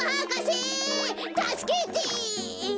たすけてえ？